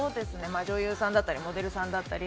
女優さんだったりモデルさんだったり。